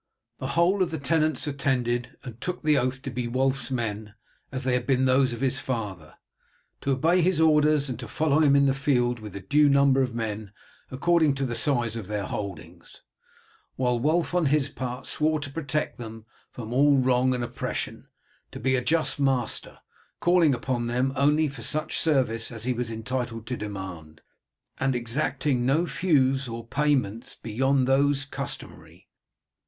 The whole of the tenants attended, and took the oath to be Wulf's men, as they had been those of his father, to obey his orders, and to follow him in the field with the due number of men according to the size of their holdings; while Wulf on his part swore to protect them from all wrong and oppression, to be a just master, calling upon them only for such service as he was entitled to demand, and exacting no feus or payments beyond those customary.